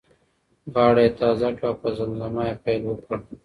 غاړه یې تازه کړه او په زمزمه یې پیل وکړ.